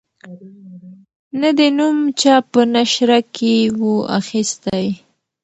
نه دي نوم چا په نشره کی وو اخیستی